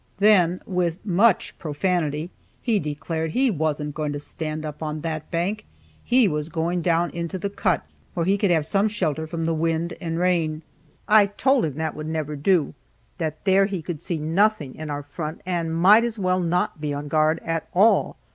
Then, with much profanity, he declared that he wasn't going to stand up on that bank, he was going down into the cut, where he could have some shelter from the wind and rain. I told him that would never do, that there he could see nothing in our front, and might as well not be on guard at all.